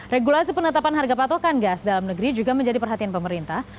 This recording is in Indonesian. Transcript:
regulasi penetapan harga patokan gas dalam negeri juga menjadi perhatian pemerintah